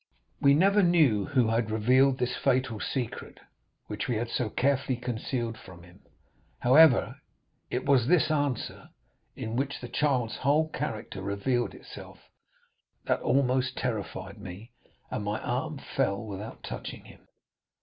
20299m "We never knew who had revealed this fatal secret, which we had so carefully concealed from him; however, it was this answer, in which the child's whole character revealed itself, that almost terrified me, and my arm fell without touching him.